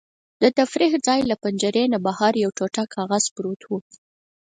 د تفریح ځای له پنجرې نه بهر یو ټوټه کاغذ پروت و.